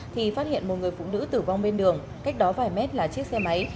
thì phát hiện một người phụ nữ tử vong bên đường cách đó vài mét là chiếc xe máy